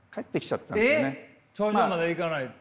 頂上まで行かないで？